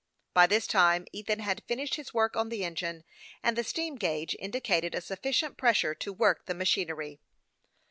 By this time Ethan had finished his work on the engine, and the steam gauge indicated a sufficient pressure to work the machinery.